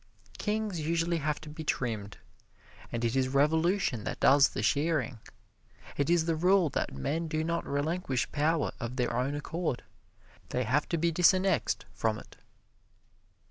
Kings usually have to be trimmed, and it is revolution that does the shearing. It is the rule that men do not relinquish power of their own accord they have to be disannexed from it.